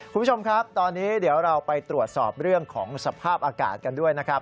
คุณผู้ชมครับตอนนี้เดี๋ยวเราไปตรวจสอบเรื่องของสภาพอากาศกันด้วยนะครับ